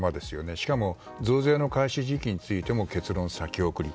しかも増税の開始時期についても結論先送り。